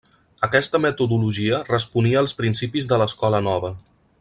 Aquesta metodologia responia als principis de l'escola nova.